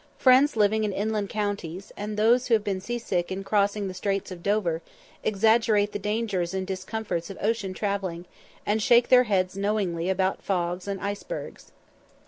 Friends living in inland counties, and those who have been sea sick in crossing the straits of Dover, exaggerate the dangers and discomforts of ocean travelling, and shake their heads knowingly about fogs and icebergs.